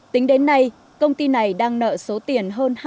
tính đến nay công ty này đang nợ số tiền hơn